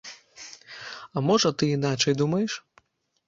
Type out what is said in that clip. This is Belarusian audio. А можа ты іначай думаеш?